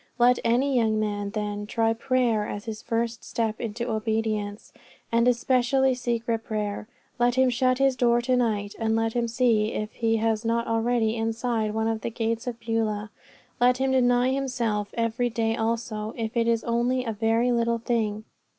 Let any young man, then, try prayer as his first step into obedience, and especially secret prayer. Let him shut his door to night, and let him see if he is not already inside one of the gates of Beulah. Let him deny himself every day also, if it is only in a very little thing.